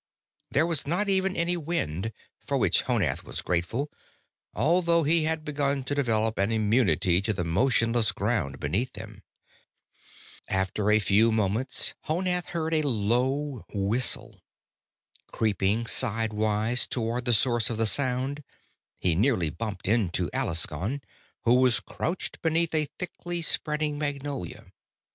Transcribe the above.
There was not even any wind, for which Honath was grateful, although he had begun to develop an immunity to the motionless ground beneath them. After a few moments, Honath heard a low whistle. Creeping sidewise toward the source of the sound, he nearly bumped into Alaskon, who was crouched beneath a thickly spreading magnolia.